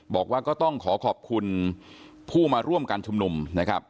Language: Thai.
บอกว่าก็ต้องขอขอบคุณผู้มาร่วมการชุมนุมนะครับ